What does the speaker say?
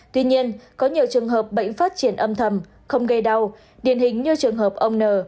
tuy nhiên có nhiều trường hợp bệnh phát triển âm thầm không gây đau điển hình như trường hợp ông n